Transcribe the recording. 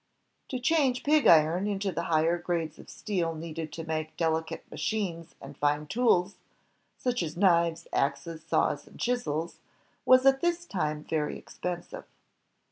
To change pig iron into the higher grades of steel needed to make deli cate machines and fine tools, such as knives, axes, saws, and chisels, was at this time very expensive.